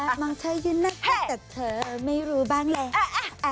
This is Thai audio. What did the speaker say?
แอ๊บมองเธอยืนหน้าเก็บแต่เธอไม่รู้บ้างแหละ